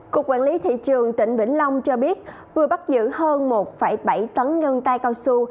cục quản lý thị trường tỉnh vĩnh long cho biết vừa bắt giữ hơn một bảy tấn ngân tai cao su